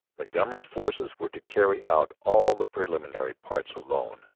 Montgomery's forces were to carry out all the preliminary parts alone.